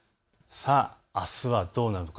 あすはどうなるのか。